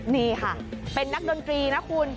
นี่ค่ะเป็นนักดนตรีนะคุณ